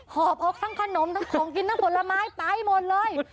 ออกทั้งขนมทั้งของกินทั้งผลไม้ไปหมดเลย